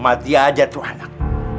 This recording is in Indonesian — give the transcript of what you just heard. mati aja tuh anak